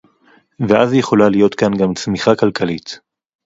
ואז יכולה להיות כאן גם צמיחה כלכלית